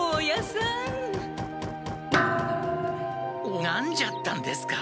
おがんじゃったんですか？